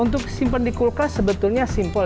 untuk simpan di kulkas sebetulnya simpel